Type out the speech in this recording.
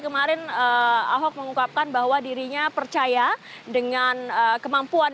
jadi kemarin ahok mengungkapkan bahwa dirinya percaya dengan kemampuan